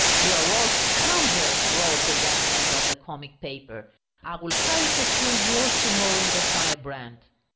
"You are all scoundrels!" roared the young man of the comic paper. "I will caricature you all to morrow in the Firebrand."